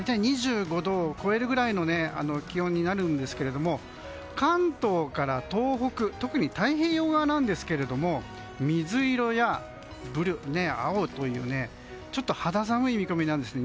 ２５度を超えるくらいの気温になるんですけど関東から東北特に太平洋側ですけれども水色や青というちょっと肌寒い見込みです。